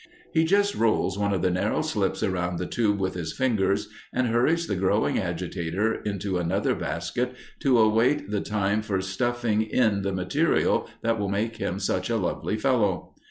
He just rolls one of the narrow slips around the tube with his fingers and hurries the growing agitator into another basket to await the time for stuffing in the material that will make him such a lively fellow.